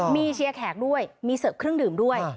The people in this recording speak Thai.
มีเชียร์แขกด้วยมีเสิร์ฟเครื่องดื่มด้วย